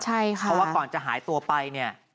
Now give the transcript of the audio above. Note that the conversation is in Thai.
เพราะว่าก่อนจะหายตัวไปเนี่ย